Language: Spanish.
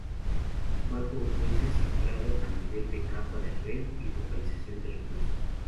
Este marco ofrece cifrado a nivel de capa de red y localización de recursos.